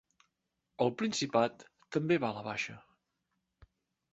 Al Principat, també va a la baixa.